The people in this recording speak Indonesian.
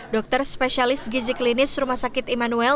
dokter spesialis gizi klinis rumah sakit immanuel